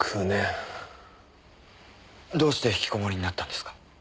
どうして引きこもりになったんですか？